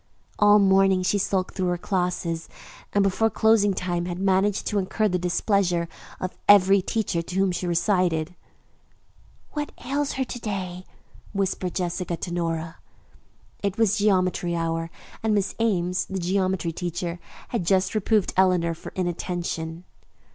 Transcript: All morning she sulked through her classes, and before closing time had managed to incur the displeasure of every teacher to whom she recited. "What ails her to day?" whispered Nora to Jessica. It was geometry hour, and Miss Ames, the geometry teacher, had just reproved Eleanor for inattention.